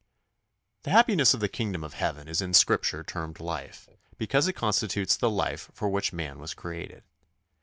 The happiness of the kingdom of heaven is in Scripture termed "life," because it constitutes the life for which man was created.